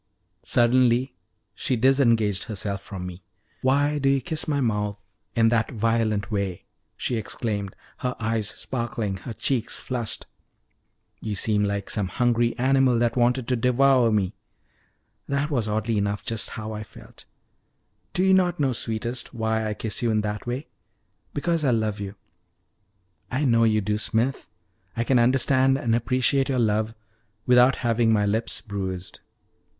Suddenly she disengaged herself from me. "Why do you kiss my mouth in that violent way?" she exclaimed, her eyes sparkling, her cheeks flushed. "You seem like some hungry animal that wanted to devour me." That was, oddly enough, just how I felt. "Do you not not know, sweetest, why I kiss you in that way? Because I love you." "I know you do, Smith. I can understand and appreciate your love without having my lips bruised."